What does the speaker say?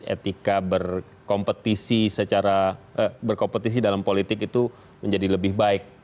etika berkompetisi dalam politik itu menjadi lebih baik